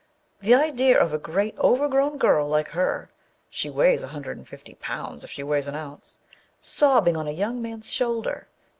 The idea of a great, overgrown girl like her (she weighs a hundred and fifty pounds if she weighs an ounce) sobbing on a young man's shoulder